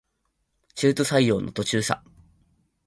中途採用の途中さ